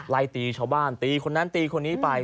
ไล่ตีชาวบ้านตีคนนั้นตีคนนี้ไป